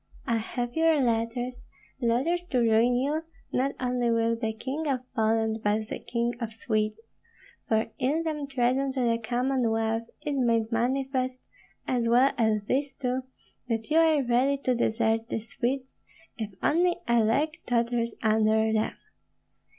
I have your letters, letters to ruin you, not only with the King of Poland, but the King of Sweden, for in them treason to the Commonwealth is made manifest, as well as this too, that you are ready to desert the Swedes if only a leg totters under them.